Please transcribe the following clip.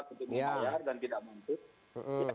itu dibayar dan tidak mampu